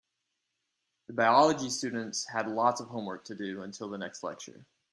The biology students had lots of homework to do until the next lecture.